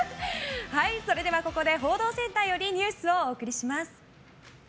ここで報道センターよりニュースをお送りします。